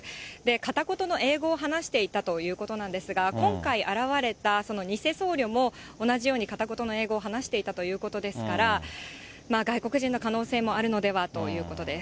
片言の英語を話していたということなんですが、今回現れたその偽僧侶も、同じように片言の英語を話していたということですから、外国人の可能性もあるのではということです。